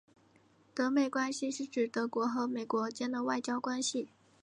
德美关系是指德国和美国间的外交关系。